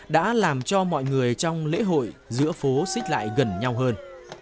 đã làm cho mọi người trong lễ hội giữa phố xít lại gần nhau hơn